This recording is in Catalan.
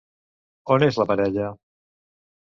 On és la parella?